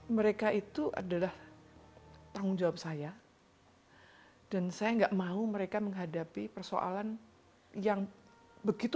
mereka itu adalah tanggung jawab saya dan saya enggak mau mereka menghadapi persoalan yang begitu